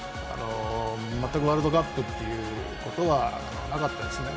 全くワールドカップということはなかったですね。